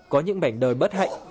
có những mảnh đời bất hạnh